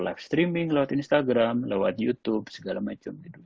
live streaming lewat instagram lewat youtube segala macam gitu